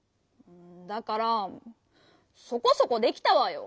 だから「そこそこできた」わよ。